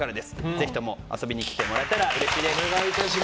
ぜひとも遊びに来てもらえたらうれしいです。